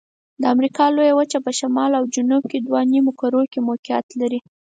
د امریکا لویه وچه په شمالي او جنوبي دوه نیمو کرو کې موقعیت لري.